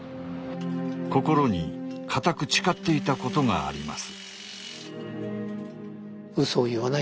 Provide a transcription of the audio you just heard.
心に固く誓っていたことがあります。